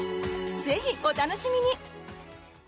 ぜひお楽しみに。